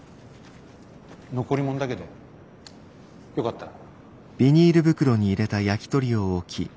残り物だけどよかったら。